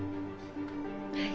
はい。